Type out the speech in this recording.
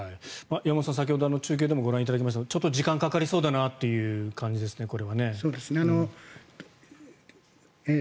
山本さん、先ほど中継でもご覧いただきましたがちょっと時間がかかりそうだなという感じですね。